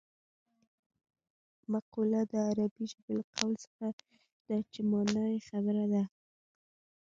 مقوله د عربي ژبې له قول څخه ده چې مانا یې خبره ده